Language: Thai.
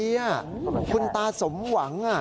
๗๓ปีคุณตาสมหวัง